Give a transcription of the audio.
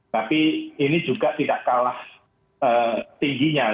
tapi ini juga tidak kalah tingginya